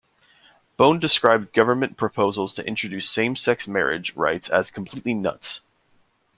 Bone described government proposals to introduce same-sex marriage rights as "completely nuts".